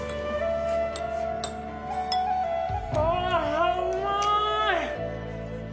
あぁうまい！